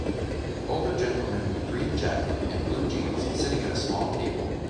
Older gentlemen in a green jacket and blue jeans sitting at a small table.